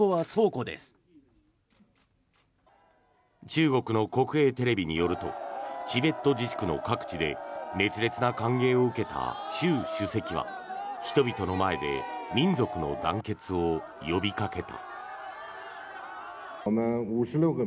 中国の国営テレビによるとチベット自治区の各地で熱烈な歓迎を受けた習主席は人々の前で民族の団結を呼びかけた。